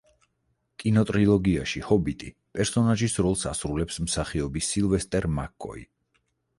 კინოტრილოგიაში „ჰობიტი“ პერსონაჟის როლს ასრულებს მსახიობი სილვესტერ მაკ-კოი.